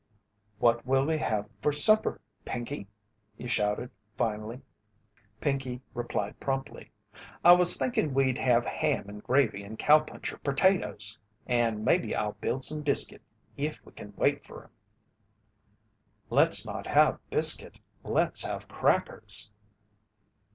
"What will we have for supper, Pinkey?" he shouted, finally. Pinkey replied promptly: "I was thinkin' we'd have ham and gra vy and cowpuncher perta toes; and maybe I'll build some biscuit, if we kin wait fer 'em." "Let's not have biscuit let's have crackers."